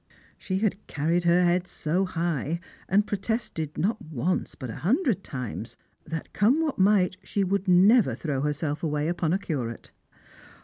She had carried her head so high, and protested, not once but a hundi'ed times, that, come what might, she would never throw herself away upon a curate.